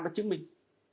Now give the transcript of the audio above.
đã chứng minh